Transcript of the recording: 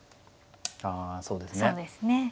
あそうですね。